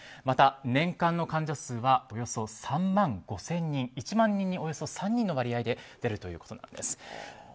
また年間の患者数はおよそ３万５０００人１万人におよそ３人の割合で出るということです。